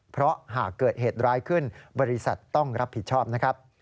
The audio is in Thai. เพราะหากเกิดเหตุร้ายขึ้นบริษัทต้องรับผิดชอบนะครับ